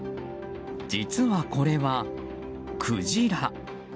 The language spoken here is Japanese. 実は、これはクジラ。